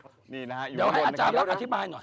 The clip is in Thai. โอเคสินี่นะครับอยู่ข้างบนนะครับ